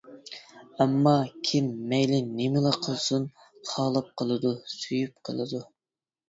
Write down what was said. ئەمما كىم مەيلى نېمىلا قىلسۇن خالاپ قىلىدۇ، سۆيۈپ قىلىدۇ.